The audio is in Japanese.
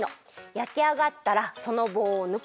やきあがったらそのぼうをぬく。